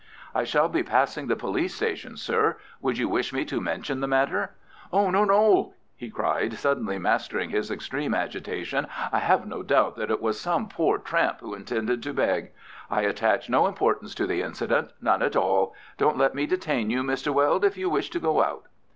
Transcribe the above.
"I shall be passing the police station, sir. Would you wish me to mention the matter?" "No, no," he cried, suddenly, mastering his extreme agitation; "I have no doubt that it was some poor tramp who intended to beg. I attach no importance to the incident—none at all. Don't let me detain you, Mr. Weld, if you wish to go out."